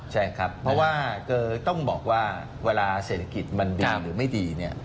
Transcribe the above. ใช่ครับเพราะว่าคือต้องบอกว่าเวลาเศรษฐกิจมันดีหรือไม่ดีเนี่ย